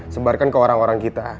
sebarkan ke orang orang kita